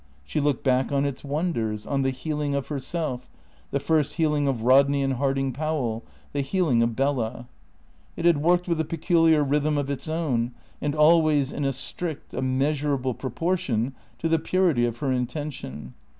She looked back on its wonders; on the healing of herself; the first healing of Rodney and Harding Powell; the healing of Bella. It had worked with a peculiar rhythm of its own, and always in a strict, a measurable proportion to the purity of her intention.